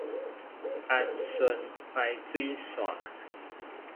安順排水線